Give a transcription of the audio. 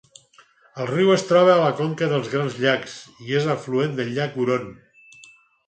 El riu es troba a la conca dels Grans llacs i és afluent del llac Huron.